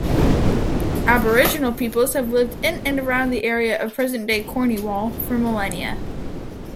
Aboriginal peoples have lived in and around the area of present-day Cornwall for millennia.